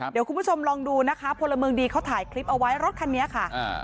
เดี๋ยวคุณผู้ชมลองดูนะคะพลเมืองดีเขาถ่ายคลิปเอาไว้รถคันนี้ค่ะ